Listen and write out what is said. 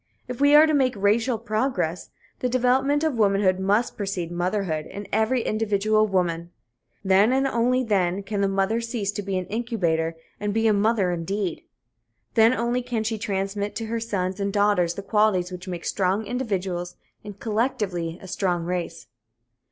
If we are to make racial progress, this development of womanhood must precede motherhood in every individual woman. Then and then only can the mother cease to be an incubator and be a mother indeed. Then only can she transmit to her sons and daughters the qualities which make strong individuals and, collectively, a strong race.